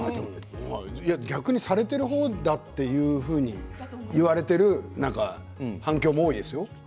逆にされている方だというふうに言われている反響も多いですよ。